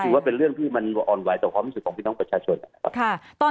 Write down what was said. ก็คือว่าเป็นเรื่องที่มันออนไวท์ต่อความรู้สึกของพี่น้องประชาชน